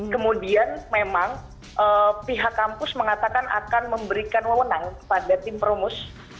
kemudian memang pihak kampus mengatakan akan memberikan wewenang kepada tim perumus